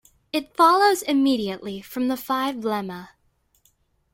It follows immediately from the five lemma.